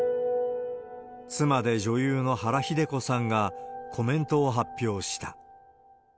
妻で女優の原日出子さんがコメントを発表した。